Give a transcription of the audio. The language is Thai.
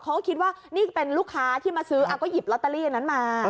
เขาก็คิดว่านี่เป็นลูกค้าที่มาซื้อก็หยิบลอตเตอรี่อันนั้นมา